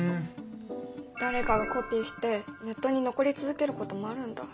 誰かがコピーしてネットに残り続けることもあるんだ。